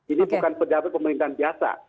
ini bukan pejabat pemerintahan biasa